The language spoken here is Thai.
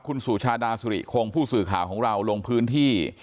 คุณสุชาดาสุริคงผู้สื่อข่าวของเราลงพื้นที่